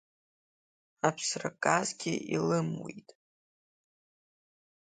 Аԥсраказгьы илымуит.